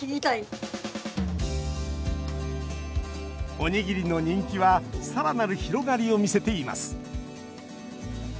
おにぎりの人気はさらなる広がりを見せています。